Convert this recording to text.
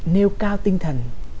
nêu cao tinh thần